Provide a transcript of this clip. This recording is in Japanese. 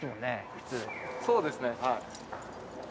普通そうですね